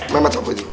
memet sama gue juga